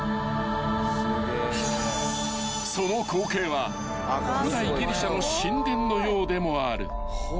［その光景は古代ギリシャの神殿のようでもある］